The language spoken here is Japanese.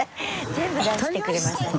全部出してくれましたね。